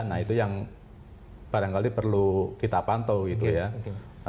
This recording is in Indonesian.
nah itu yang barangkali perlu kita pantau gitu ya